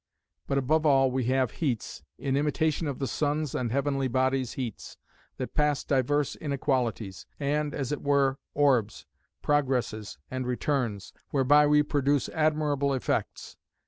But above all, we have heats, in imitation of the Sun's and heavenly bodies' heats, that pass divers inequalities, and (as it were) orbs, progresses, and returns, whereby we produce admirable effects.